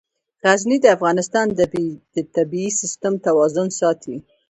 غزني د افغانستان د طبعي سیسټم توازن ساتي.